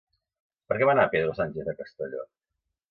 Per què va anar Pedro Sánchez a Castelló?